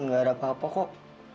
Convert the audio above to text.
gak ada apa apa kok